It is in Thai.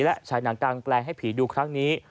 และฉายหนังกลางแปลงให้ผีดูครั้งนี้